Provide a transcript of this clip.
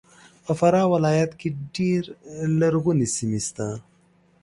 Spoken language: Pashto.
په فراه ولایت کې ډېر لرغونې سیمې سته